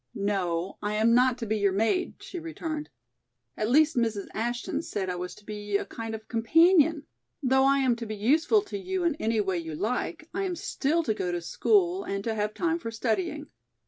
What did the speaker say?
"No, I am not to be your maid," she returned. "At least Mrs. Ashton said I was to be a kind of companion; though I am to be useful to you in any way you like, I am still to go to school and to have time for studying.